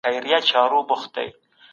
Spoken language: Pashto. چي تاریخ یې ځلانده دی